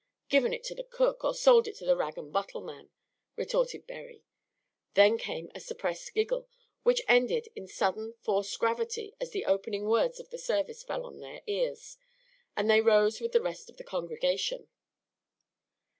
"Given it to the cook, or sold it to the rag and bottle man," retorted Berry. Then came a suppressed giggle, which ended in sudden, forced gravity as the opening words of the service fell on their ears, and they rose with the rest of the congregation.